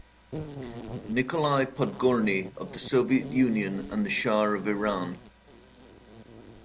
Nikolai Podgorny of the Soviet Union and the Shah of Iran.